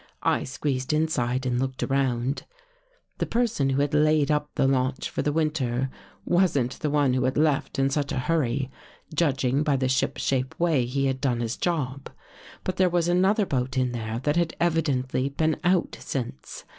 I squeezed inside and looked around. " The person who had laid up the launch for the winter wasn't the one who had left in such a hurry, judging by the shipshape way he had done his job. But there was another boat in there that had evi dently been out since.